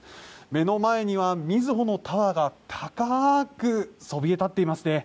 目の前にはみずほのタワーが高くそびえ立っていますね。